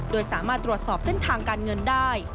โดยสามารถตรวจสอบเส้นทางการเงินได้